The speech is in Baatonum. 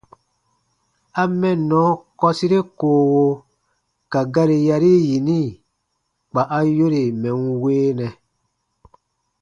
A « mɛnnɔ » kɔsire koowo ka gari yari yini kpa a yore mɛ̀ n weenɛ.